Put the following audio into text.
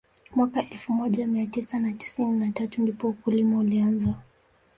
Mwaka elfu moja mia tisa na tisini na tatu ndipo ukulima ulianza